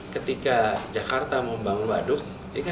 ketika jakarta mau membangun waduk